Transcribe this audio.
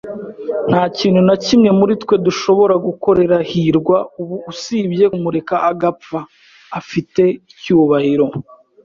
Nta kintu na kimwe muri twe dushobora gukorera hirwa ubu usibye kumureka agapfa afite icyubahiro.